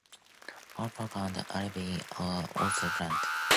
Aupark and Aldi are also planned.